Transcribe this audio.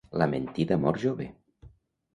La mentida mor jove.